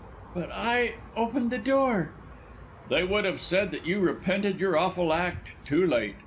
"But I opened the door!" "They would have said that you repented your awful act, too late.